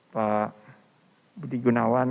pak budi gunawan